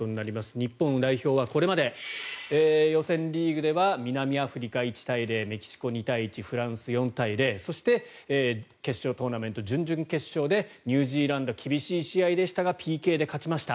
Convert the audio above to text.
日本代表はこれまで予選リーグでは南アフリカ１対０メキシコ２対１フランス４対０そして決勝トーナメント準々決勝でニュージーランド厳しい試合でしたがＰＫで勝ちました。